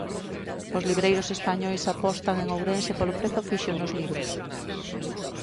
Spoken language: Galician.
Os libreiros españois apostan en Ourense polo prezo fixo nos libros